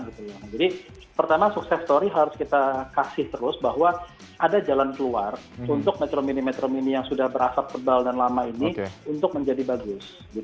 jadi pertama sukses story harus kita kasih terus bahwa ada jalan keluar untuk metro mini metro mini yang sudah berasap tebal dan lama ini untuk menjadi bagus